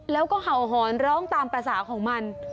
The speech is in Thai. แล้วก็เห่าหอนร้องตามภาษาของมัน